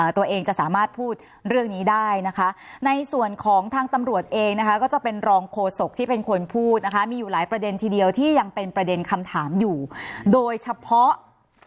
ตัวเองจะสามารถพูดเรื่องนี้ได้นะคะในส่วนของทางตำรวจเองนะคะก็จะเป็นรองโฆษกที่เป็นคนพูดนะคะมีอยู่หลายประเด็นทีเดียวที่ยังเป็นประเด็นคำถามอยู่โดยเฉพาะ